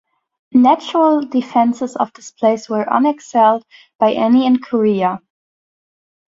The natural defenses of this place were unexcelled by any in Korea.